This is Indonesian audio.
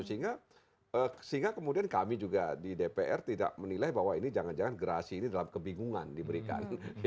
sehingga kemudian kami juga di dpr tidak menilai bahwa ini jangan jangan gerasi ini dalam kebingungan diberikan